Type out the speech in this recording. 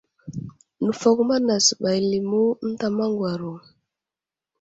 Nəfakuma nasəɓay limu ənta maŋgwaro.